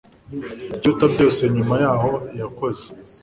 ikiruta byose, nyuma yaho yakoze